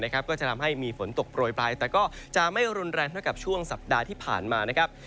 ก็จะทำให้มีฝนตกโปรยปลายแต่ก็จะไม่รุนแรงเท่ากับช่วงสัปดาห์ที่ผ่านมานะครับ